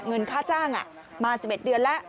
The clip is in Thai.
เงินค่าจ้างมา๑๑เดือนแล้ว